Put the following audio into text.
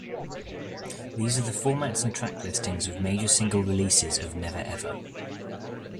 These are the formats and track listings of major single releases of "Never Ever".